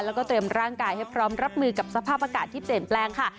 แล้วก็เตรียมร่างกายให้พร้อมรับมือกับสภาพอากาศที่เปลี่ยนแปลงค่ะ